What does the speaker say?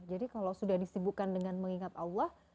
jadi kalau sudah disibukkan dengan mengingat allah